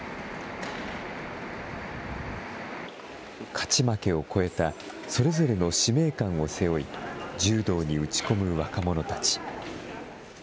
勝ち負けを超えたそれぞれの使命感を背負い、柔道に打ち込む若者たち。